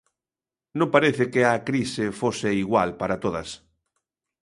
Non parece que a crise fose igual para todas.